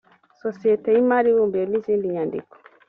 sosiyete y imari ibumbiyemo izindi nyandiko